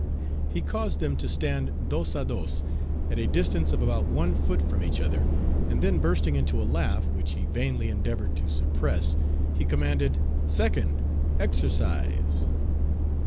He caused them to stand dos à dos, at a distance of about one foot from each other, and then bursting into a laugh, which he vainly endeavored to suppress, he commanded, "Second, exercise!"